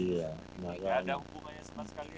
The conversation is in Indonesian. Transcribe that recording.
tidak ada hukumannya sama sekali